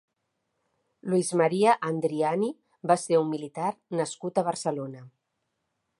Luis María Andriani va ser un militar nascut a Barcelona.